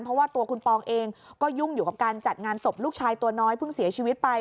เพราะว่าตัวคุณปองเองก็ยุ่งอยู่กับการจัดงานศพลูกชายตัวน้อยเพิ่งเสียชีวิตไป